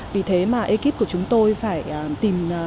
vì thế mà ekip của chúng tôi phải tìm